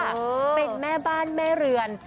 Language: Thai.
เป็นแม่บ้านแม่เรือน